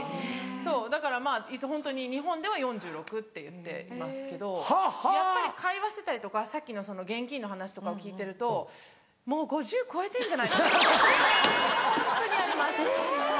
だからホントに日本では４６歳って言ってますけどやっぱり会話してたりとかさっきの現金の話とかを聞いてるともう５０歳超えてんじゃないかなホントにあります。